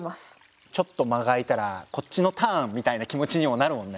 ちょっと間が空いたらこっちのターンみたいな気持ちにもなるもんね。